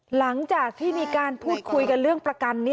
หลังจากที่มีการพูดคุยกันเรื่องประกัน